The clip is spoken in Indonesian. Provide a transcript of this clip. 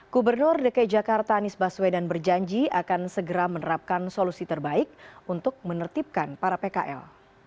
gubernur dki jakarta anies baswedan berjanji akan segera menerapkan solusi terbaik untuk menertibkan para pkl